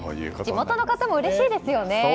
地元の方もうれしいですよね。